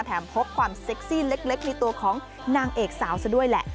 พบความเซ็กซี่เล็กในตัวของนางเอกสาวซะด้วยแหละ